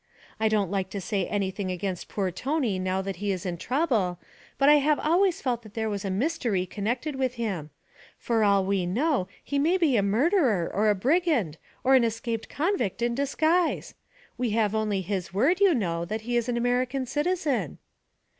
I don't like to say anything against poor Tony now that he is in trouble, but I have always felt that there was a mystery connected with him. For all we know he may be a murderer or a brigand or an escaped convict in disguise. We only have his word, you know, that he is an American citizen.'